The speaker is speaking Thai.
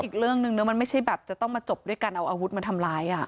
อีกเรื่องนึงนะมันไม่ใช่แบบจะต้องมาจบด้วยการเอาอาวุธมาทำร้าย